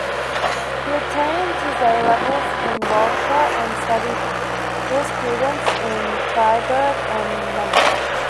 He obtained his A-levels in Waldshut, and studied jurisprudence in Freiburg and Munich.